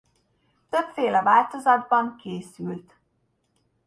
Többféle változatban készült.